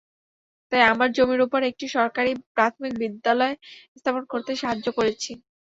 তাই আমার জমির ওপর একটি সরকারি প্রাথমিক বিদ্যালয় স্থাপন করতে সাহায্য করেছি।